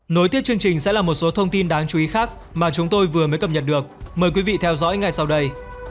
nối tiếp chương trình sẽ là một số thông tin đáng chú ý khác mà chúng tôi vừa mới cập nhật được mời quý vị theo dõi ngay sau đây